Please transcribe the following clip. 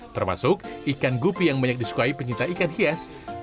termasuk ikan gupi yang banyak disukai penyita ikan hias